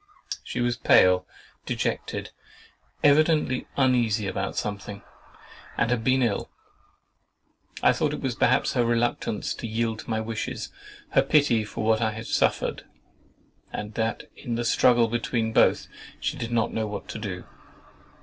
She was pale, dejected, evidently uneasy about something, and had been ill. I thought it was perhaps her reluctance to yield to my wishes, her pity for what I suffered; and that in the struggle between both, she did not know what to do.